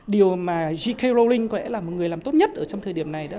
điều mà g k rowling có lẽ là một người làm tốt nhất ở trong thời điểm này